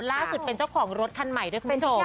ล่าสุดเป็นเจ้าของรถคันใหม่ด้วยคุณผู้ชม